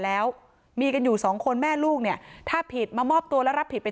แล้วมีกันอยู่สองคนแม่ลูกเนี่ยถ้าผิดมามอบตัวแล้วรับผิดไป